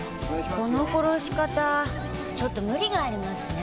この殺し方ちょっと無理がありますね。